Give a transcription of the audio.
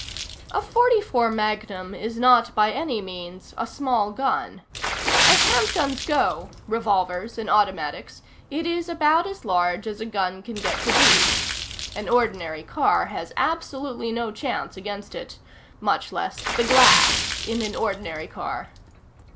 A .44 Magnum is not, by any means, a small gun. As handguns go revolvers and automatics it is about as large as a gun can get to be. An ordinary car has absolutely no chance against it. Much less the glass in an ordinary car.